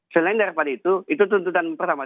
selain daripada itu itu tuntutan pertama